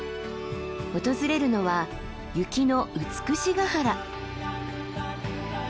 訪れるのは雪の美ヶ原。